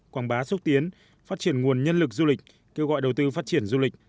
quảng bá xúc tiến phát triển nguồn nhân lực du lịch kêu gọi đầu tư phát triển du lịch